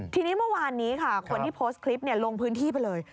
ทีนี้เมื่อวานนี้ค่ะคนที่โพสต์คลิปลงพื้นที่ไปเลย